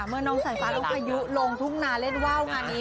เมื่อน้องสายฟ้าลุกพายุลงทุ่งนาเล่นว่าวงานนี้